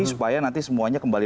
supaya nanti semuanya kembali